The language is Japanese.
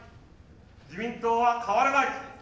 自民党は変われない。